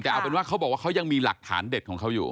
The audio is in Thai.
แต่เอาเป็นว่าเขาบอกว่าเขายังมีหลักฐานเด็ดของเขาอยู่